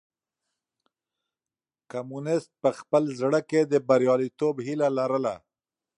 کمونيسټ په خپل زړه کې د برياليتوب هيله لرله.